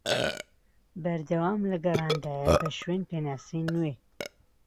بەردەوام لە گەڕاندایە بە شوێن پێناسەی نوێ